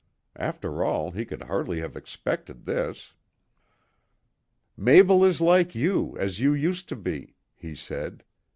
After all, he could hardly have expected this. "Mabel is like you, as you used to be," he said.